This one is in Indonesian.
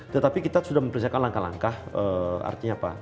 tetapi kita sudah mempersiapkan langkah langkah artinya apa